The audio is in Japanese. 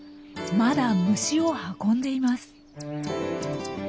まだ虫を運んでいます。